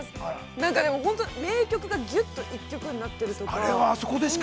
なんか、でも、本当に名曲が、ずっと一曲になってるとか。